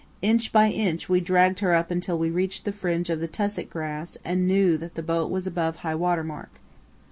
Inch by inch we dragged her up until we reached the fringe of the tussock grass and knew that the boat was above high water mark.